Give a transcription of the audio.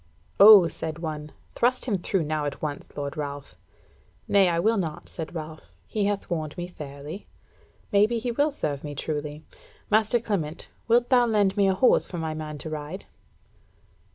"O," said one, "thrust him through now at once, lord Ralph." "Nay, I will not," said Ralph; "he hath warned me fairly. Maybe he will serve me truly. Master Clement, wilt thou lend me a horse for my man to ride?"